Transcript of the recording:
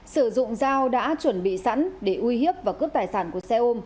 sử dụng dao đã chuẩn bị sẵn để uy hiếp và cướp tài sản của xe ôm